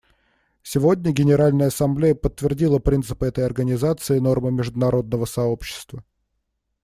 Сегодня Генеральная Ассамблея подтвердила принципы этой Организации и нормы международного сообщества.